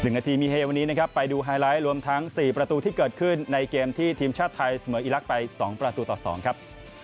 นาทีมีเฮวันนี้นะครับไปดูไฮไลท์รวมทั้ง๔ประตูที่เกิดขึ้นในเกมที่ทีมชาติไทยเสมออีลักษณ์ไป๒ประตูต่อ๒ครับ